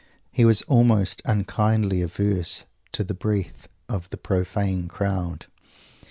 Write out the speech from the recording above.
He was almost unkindly averse to the breath of the profane crowd.